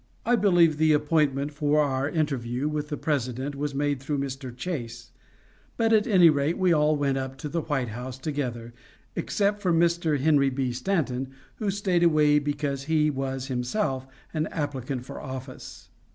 I believe the appointment for our interview with the President was made through Mr. Chase; but at any rate we all went up to the White House together, except Mr. Henry B. Stanton, who stayed away because he was himself an applicant for office.